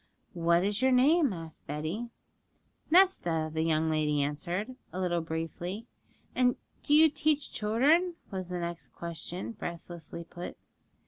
'What is your name?' asked Betty. 'Nesta,' the young lady answered, a little briefly. 'And do you teach children?' was the next question, breathlessly put.